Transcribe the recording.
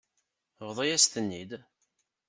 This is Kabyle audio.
Bḍu-yas-ten-id.